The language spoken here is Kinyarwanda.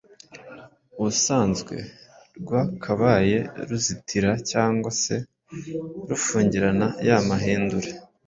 ubusanzwe rwakabaye ruzitira cyangwa se rufungirana ya mahindure,